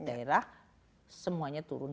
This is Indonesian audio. daerah semuanya turun